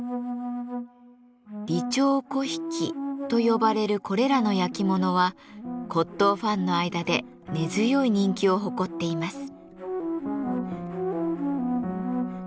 李朝粉引と呼ばれるこれらの焼き物は骨とうファンの間で根強い人気を誇っています。